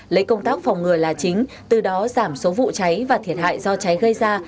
lấy công tác phòng ngừa là chính từ đó giảm số vụ cháy và thiệt hại do cháy gây ra